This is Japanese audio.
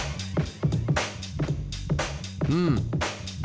うん。